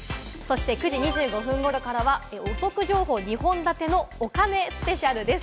９時２５分頃からはお得情報２本立てのお金スペシャルです。